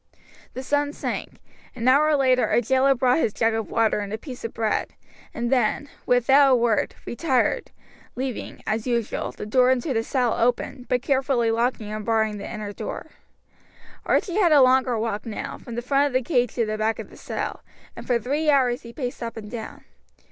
The sun sank. An hour later a jailer brought his jug of water and piece of bread, and then, without a word, retired, leaving, as usual, the door into the cell open, but carefully locking and barring the inner door. Archie had a longer walk now, from the front of the cage to the back of the cell, and for three hours he paced up and down.